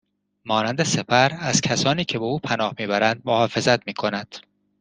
مانند سپر ازکسانی که به او پناه میبرند محافظت میکند